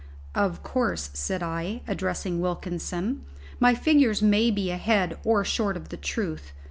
"Of course," said I, addressing Wilkinson, "my figures may be ahead or short of the truth.